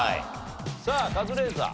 さあカズレーザー。